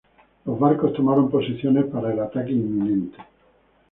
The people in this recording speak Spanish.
Los barcos tomaron posiciones para el ataque inminente.